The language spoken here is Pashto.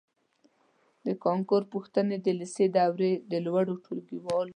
د کانکور پوښتنې د لېسې دورې د لوړو ټولګیو